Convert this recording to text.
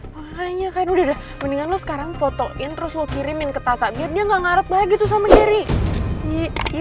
makanya kan udah dah mendingan lo sekarang fotoin terus lo kirimin ke tata biar dia gak ngarep lagi tuh sama gary